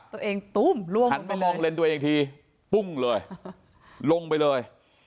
ตัวเองตุ้มล่วงหันมามองเลนตัวเองทีปุ้งเลยลงไปเลย